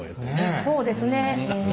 そうですね。